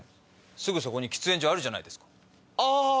すぐそこに喫煙所あるじゃないですか。